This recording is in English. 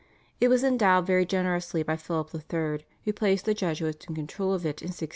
It was endowed very generously by Philip III. who placed the Jesuits in control of it in 1619.